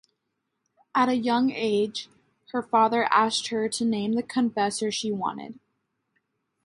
At a young age, her father asked her to name the confessor she wanted.